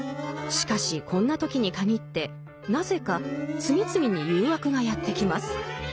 しかしこんな時に限ってなぜか次々に誘惑がやって来ます。